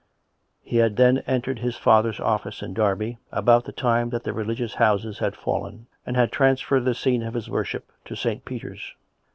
He had then entered his father's office in Derby, about the time that the Religious Houses had fallen, and had transferred the scene of his worship to St. Peter's.